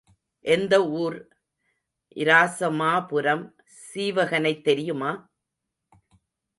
எந்த ஊர்? இராசமாபுரம் சீவகனைத் தெரியுமா?